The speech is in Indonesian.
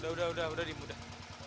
udah udah udah dimudah